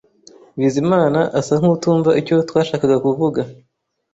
bizimana asa nkutumva icyo twashakaga kuvuga.